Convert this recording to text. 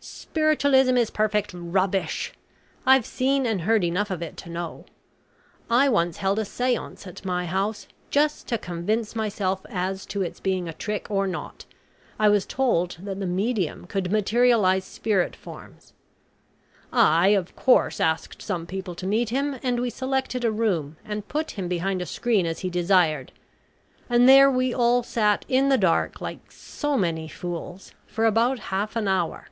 Spiritualism is perfect rubbish. I've seen and heard enough of it to know. I once held a seance at my house, just to convince myself as to its being a trick or not, I was told that the medium could materialise spirit forms. I, of course, asked some people to meet him, and we selected a room and put him behind a screen as he desired, and there we all sat in the dark, like so many fools, for about half an hour.